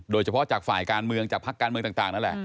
โดยเฉพาะจากฝ่ายการเมืองจากภาคการเมืองต่าง